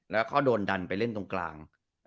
แล้วเขาโดนดันไปเล่นตรงกลาง